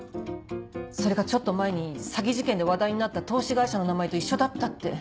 それがちょっと前に詐欺事件で話題になった投資会社の名前と一緒だったって。